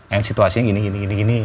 and situasinya gini gini gini